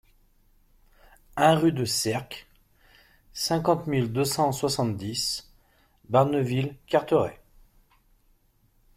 un rue de Sercq, cinquante mille deux cent soixante-dix Barneville-Carteret